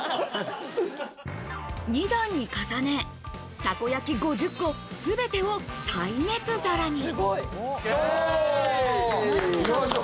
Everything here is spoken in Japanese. ２段に重ね、たこ焼き５０個全てを耐熱皿に。